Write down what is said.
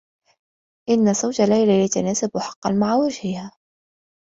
إنّ صوت ليلى يتناسب حقّا مع وجهها.